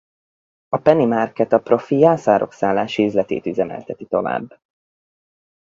A Penny Market a Profi jászárokszállási üzletét üzemelteti tovább.